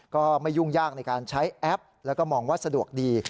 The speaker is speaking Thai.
ก็ไม่ยุ่งยากในการใช้แอปแล้วก็มองว่าสะดวกดี